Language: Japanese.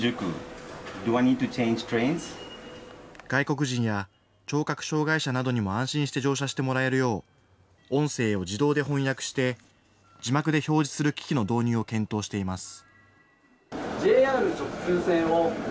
外国人や聴覚障害者などにも安心して乗車してもらえるよう、音声を自動で翻訳して、字幕で表示する機器の導入を検討しています。